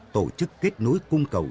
tổ chức kết nối cung cầu